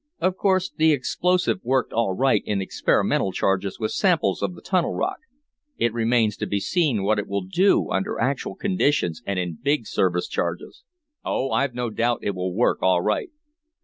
Of course the explosive worked all right in experimental charges with samples of the tunnel rock. It remains to be seen what it will do under actual conditions, and in big service charges." "Oh, I've no doubt it will work all right."